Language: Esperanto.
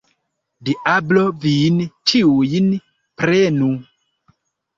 Diablo vin ĉiujn prenu!